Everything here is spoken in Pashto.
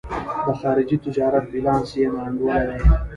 د خارجي تجارت بیلانس یې نا انډوله دی.